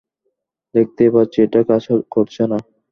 দেখতেই পাচ্ছি এটা কাজ করছে না।